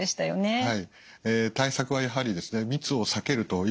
はい。